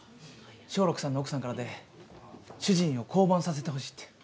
松緑さんの奥さんからで主人を降板させてほしいって。